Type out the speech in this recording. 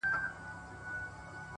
بریالی انسان عذرونه نه لټوي’